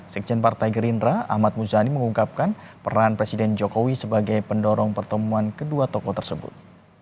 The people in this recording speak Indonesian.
sekjen partai gerindra ahmad muzani mengungkapkan peran presiden jokowi sebagai pendorong pertemuan kedua tokoh tersebut